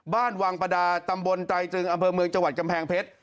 บ้านวังประดาตำบลไตรจึงอำเภอเมืองจังหวัดกำแพงเพชร